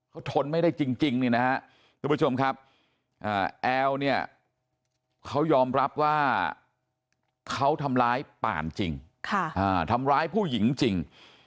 เขาทนไม่ได้จริงเนี่ยนะฮะทุกผู้ชมครับแอลเนี่ยเขายอมรับว่าเขาทำร้ายป่านจริงทำร้ายผู้หญิงจริง